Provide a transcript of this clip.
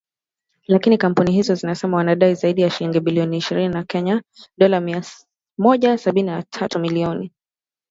Lakini kampuni hizo zinasema wanadai zaidi ya shilingi bilioni ishirini za Kenya (Dola mia moja sabini na tatu milioni).